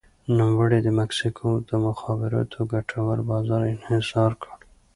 نوموړي د مکسیکو د مخابراتو ګټور بازار انحصار کړ.